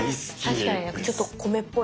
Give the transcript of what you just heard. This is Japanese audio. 確かにちょっと米っぽい。